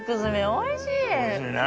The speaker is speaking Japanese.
おいしいね。